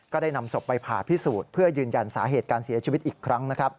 ได้นำศพไปผ่าพิสูจน์เพื่อยืนยันสาเหตุการเสียชีวิตอีกครั้งนะครับ